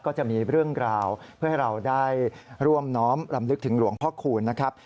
ก็จะมีเรื่องราวเพื่อให้เราได้ร่วมน้อมลำลึกถึงหลวงพ่อคูณนะครับ